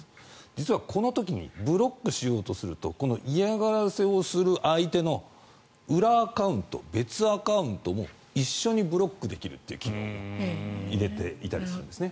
実はこの時にブロックしようとするとこの嫌がらせをする相手の裏アカウント、別アカウントも一緒にブロックできるという機能も入れていたりするんです。